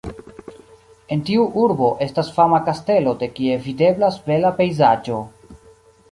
En tiu urbo estas fama kastelo de kie videblas bela pejzaĝo.